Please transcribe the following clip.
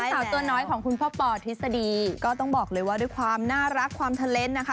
สาวตัวน้อยของคุณพ่อปอทฤษฎีก็ต้องบอกเลยว่าด้วยความน่ารักความเทลนด์นะคะ